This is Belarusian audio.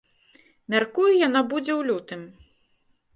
Мяркую, яна будзе ў лютым.